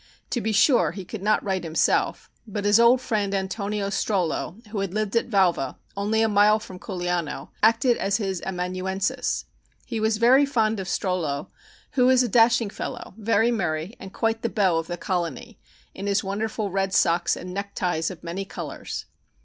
To be sure he could not write himself, but his old friend Antonio Strollo, who had lived at Valva, only a mile from Culiano, acted as his amanuensis. He was very fond of Strollo, who was a dashing fellow, very merry and quite the beau of the colony, in his wonderful red socks and neckties of many colors.